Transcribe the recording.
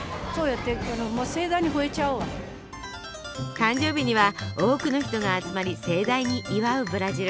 誕生日には多くの人が集まり盛大に祝うブラジル。